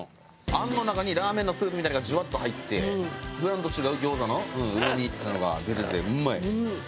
餡の中にラーメンのスープみたいのがジュワッと入って普段と違う餃子のうまみっつうのが出ててうまい。